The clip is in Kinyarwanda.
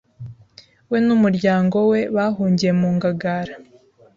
we n’umuryango we bahungiye mu Ngagara